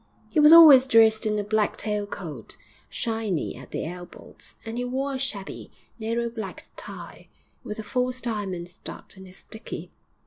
He was always dressed in a black tail coat, shiny at the elbows; and he wore a shabby, narrow black tie, with a false diamond stud in his dickey.